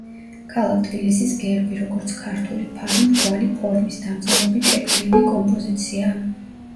ქალაქ თბილისის გერბი, როგორც ქართული ფარი, მრგვალი ფორმის, დამწერლობით შექმნილი კომპოზიციაა.